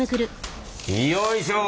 よいしょ。